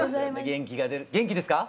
元気が出る元気ですか？